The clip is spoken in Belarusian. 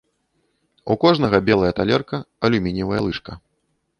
У кожнага белая талерка, алюмініевая лыжка.